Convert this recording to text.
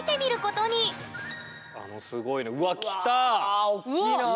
うわおっきいな！